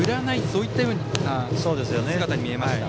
そういったような姿に見えました。